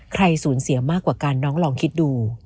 ใครสูญเสียมากกว่ากันน้องลองคิดดู